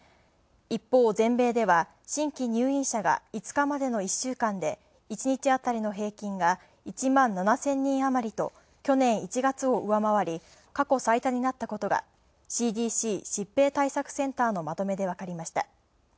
一方、全米では新規入院者が５日までの１週間で１日あたりの平均が１万７０００人あまりと去年１月を上回り、過去最多になったことがＣＤＣ＝疾病対策センターのまとめでわかりました。